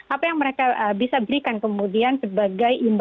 apa yang mereka bisa berikan kemudian sebagai imbauan